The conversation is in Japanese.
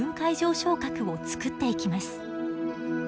床核を作っていきます。